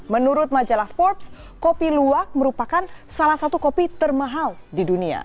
menurut majalah forbes kopi luwak merupakan salah satu kopi termahal di dunia